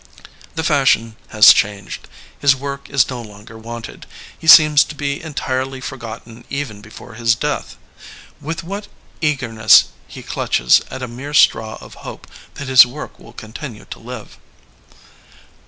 The fashion has changed; his work is no longer wanted. He seems to be entirely forgotten even before his death. With what eagerness he clutches at a mere straw of hope that his work will continue to live.